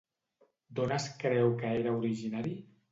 D'on es creu que era originari?